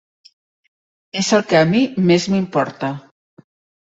És el què a mi més m'importa.